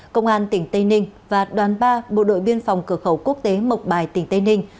công an tỉnh tây ninh và đoàn ba bộ đội biên phòng cửa khẩu quốc tế mộc bài tỉnh tây ninh